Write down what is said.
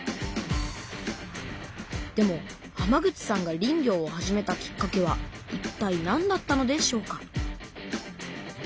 でも浜口さんが林業を始めたきっかけはいったいなんだったのでしょうか？